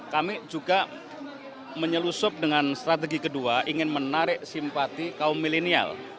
kami juga menyelusup dengan strategi kedua ingin menarik simpati kaum milenial